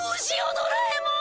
ドラえもん。